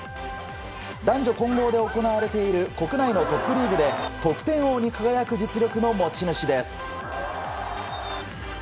男女混合で行われている国内のトップリーグで得点王に輝く実力の持ち主です。